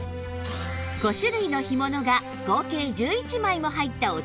５種類の干物が合計１１枚も入ったお得なセット